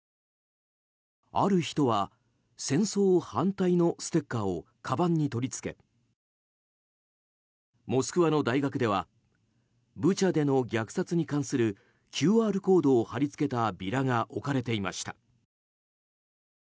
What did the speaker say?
ある人は、戦争反対のステッカーをかばんに取り付けモスクワの大学ではブチャでの虐殺に関するＱＲコードを貼りつけたビラが置かれていました。